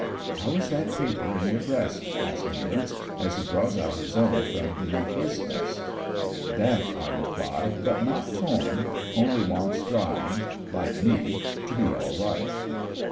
" How is that paper in your breast ?" asks Nealance as he draws out his own from beneath his vest. "Damp," I reply, "but not torn ; only wants drying, like me, to be all right."